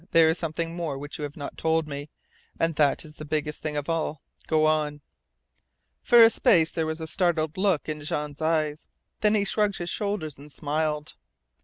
There is something more which you have not told me. And that is the biggest thing of all. Go on!" For a space there was a startled look in Jean's eyes. Then he shrugged his shoulders and smiled.